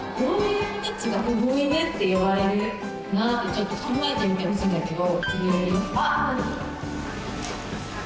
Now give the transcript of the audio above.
［やはり］考えてみてほしいんだけど。